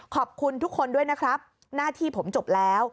ขอบคุณทุกคนด้วยนะครับหน้าที่ผมจบแล้ว